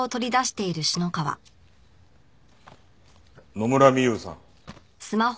野村美夕さん。